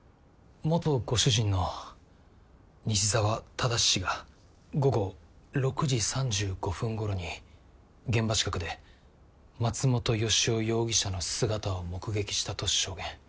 元ご主人の西澤正氏が午後６時３５分頃に現場近くで松本良夫容疑者の姿を目撃したと証言。